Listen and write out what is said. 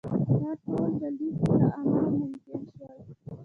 دا ټول د لیک له امله ممکن شول.